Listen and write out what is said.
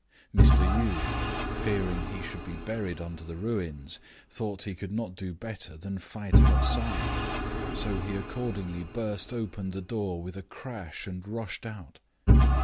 Mr. Yii, fearing he should be buried under the ruins, thought he could not do better than fight outside; so he accordingly burst open the door with a crash and rushed out.